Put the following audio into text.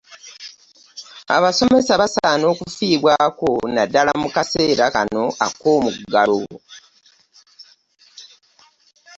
Abasomesa basaana okufiibwako naddala mu kaseera kano ak'omuggalo.